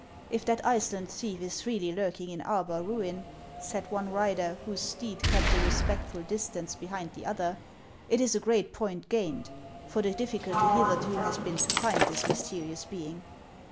" If that Iceland thief is really lurking in Arbar ruin," said one rider, whose steed kept a respectful distance behind the other, " it is a great point gained ; for the difficulty hitherto has been to rind this mysterious being."